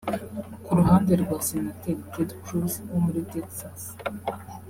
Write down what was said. Ku ruhande rwa Senateri Ted Cruz wo muri Texas